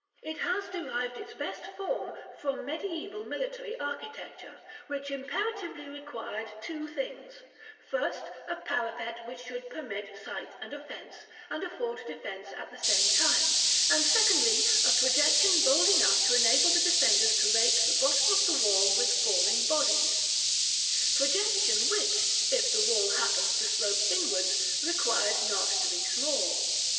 It has derived its best form from mediæval military architecture, which imperatively required two things; first, a parapet which should permit sight and offence, and afford defence at the same time; and secondly, a projection bold enough to enable the defenders to rake the bottom of the wall with falling bodies; projection which, if the wall happened to slope inwards, required not to be small.